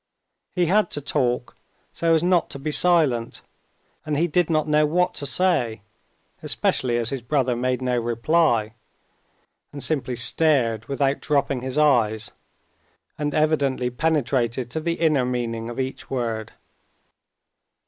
He had to talk so as not to be silent, and he did not know what to say, especially as his brother made no reply, and simply stared without dropping his eyes, and evidently penetrated to the inner meaning of each word.